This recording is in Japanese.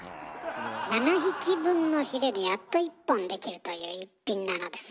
７匹分のヒレでやっと１本できるという一品なのですよ。